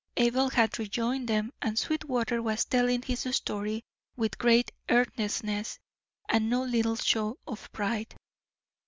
Abel had rejoined them, and Sweetwater was telling his story with great earnestness and no little show of pride.